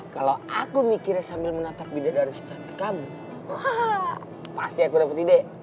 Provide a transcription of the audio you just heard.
kalau aku mikirnya sambil menatap bidadari secantik kamu pasti aku dapat ide